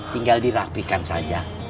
tinggal dirapikan saja